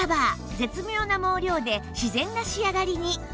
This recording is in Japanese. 絶妙な毛量で自然な仕上がりに